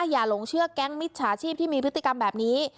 หลงเชื่อแก๊งมิจฉาชีพที่มีพฤติกรรมแบบนี้